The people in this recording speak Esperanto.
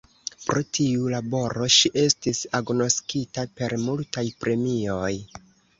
Pro tiu laboro ŝi estis agnoskita per multaj premioj.